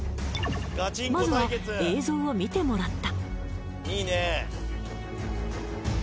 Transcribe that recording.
まずは映像を見てもらった